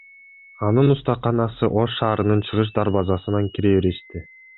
Анын устаканасы Ош шаарынын чыгыш дарбазасынан кире бериште.